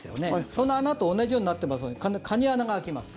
その穴と同じようになってますのでカニ穴が開きます。